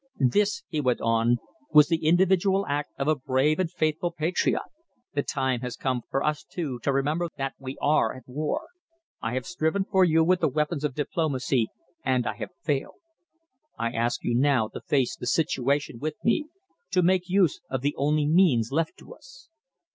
"This," he went on, "was the individual act of a brave and faithful patriot. The time has come for us, too, to remember that we are at war. I have striven for you with the weapons of diplomacy and I have failed. I ask you now to face the situation with me to make use of the only means left to us."